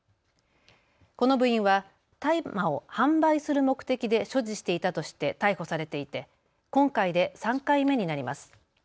この部員は大麻を販売する目的で所持していたとして逮捕されていて今回で３回目になります。